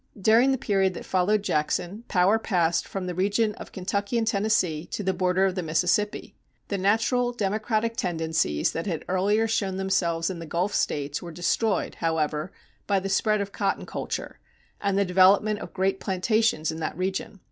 During the period that followed Jackson, power passed from the region of Kentucky and Tennessee to the border of the Mississippi. The natural democratic tendencies that had earlier shown themselves in the Gulf States were destroyed, however, by the spread of cotton culture, and the development of great plantations in that region.